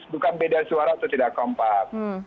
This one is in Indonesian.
bukan beda suara atau tidak kompak